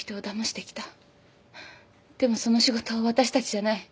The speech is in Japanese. でもその仕事は私たちじゃない。